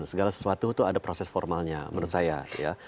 segala sesuatu itu ada proses formalnya menurut saya ya